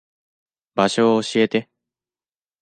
場所教えて。